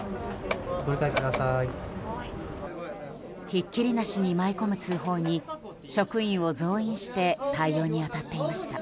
ひっきりなしに舞い込む通報に職員を増員して対応に当たっていました。